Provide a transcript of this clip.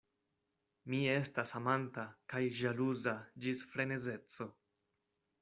Mi estas amanta kaj ĵaluza ĝis frenezeco.